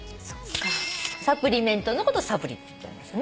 「サプリメント」のことを「サプリ」って言っちゃいますね。